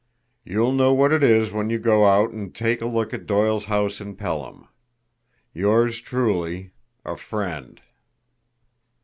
You'll know what it is when you go out and take a look at Doyle's house in Pelham. Yours truly, A FRIEND."